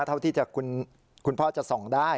เท่าที่คุณพ่อจะส่องได้